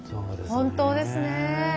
本当ですね。